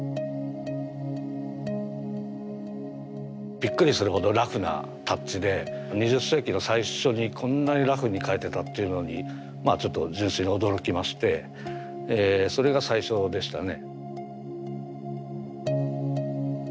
びっくりするほどラフなタッチで２０世紀の最初にこんなにラフに描いてたっていうのにまあちょっと純粋に驚きましてそれが最初でしたね。